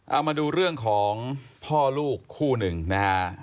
เอามาดูเรื่องของพ่อลูกคู่หนึ่งนะฮะ